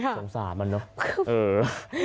สงสารมันเนอะ